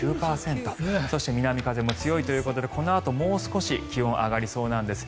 そして南風も強いということでこのあともう少し気温が上がりそうなんです。